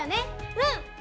うん！